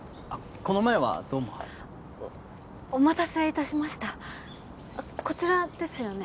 この前はどうもおお待たせ致しましたあっこちらですよね？